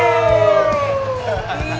gue udah urusan sebentar